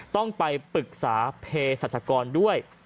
ต้องไปปรึกษาเพศรัชกรด้วย